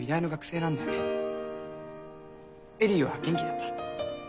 恵里は元気だった？